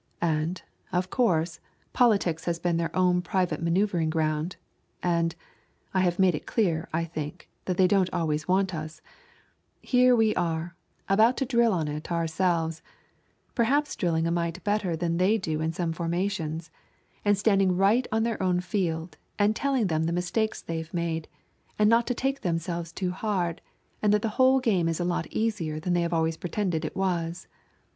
And, of course, politics has been their own private maneuvering ground, and I have made it clear, I think, that they don't always want us here we are, about to drill on it ourselves, perhaps drilling a mite better than they do in some formations, and standing right on their own field and telling them the mistakes they've made, and not to take themselves too hard and that the whole game is a lot easier than they have always pretended it was.